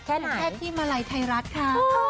หนูแค่ที่มาลัยไทยรัฐค่ะ